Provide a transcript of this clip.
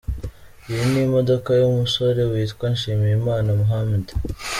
Iyi ni imodoka y'umusore witwa Nshimiyimana Mohamed a.